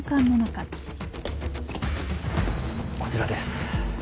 こちらです。